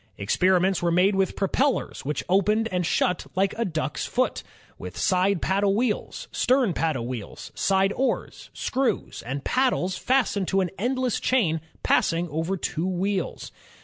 Experiments were made with propellers which opened and shut like a duck's foot, with side paddle wheels, stern paddle wheels, side oars, screws, and paddles fastened to an endless chain passing over two wheels.